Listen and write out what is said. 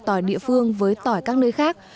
tỏi địa phương với tỏi các nơi khác